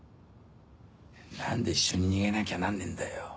何で一緒に逃げなきゃなんねえんだよ。